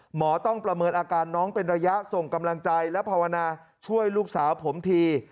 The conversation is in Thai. หมอต้องประเมินอาการน้องเป็นระยะส่งกำลังใจและภาวนาช่วยลูกสาวผมที